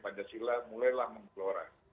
pancasila mulailah menggeloran